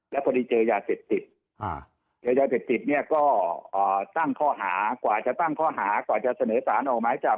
แล้วพอดีเจอยาเศรษฐิตยาเศรษฐิตก็ตั้งข้อหากว่าจะตั้งข้อหากว่าจะเสนอสารออกมาให้จับ